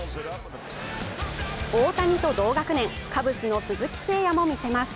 大谷と同学年、カブスの鈴木誠也も見せます。